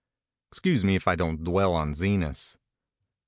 Excuse me if I don t dwell on Zenas.